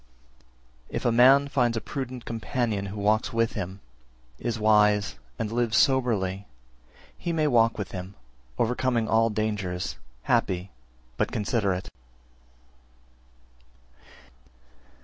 328. If a man find a prudent companion who walks with him, is wise, and lives soberly, he may walk with him, overcoming all dangers, happy, but considerate.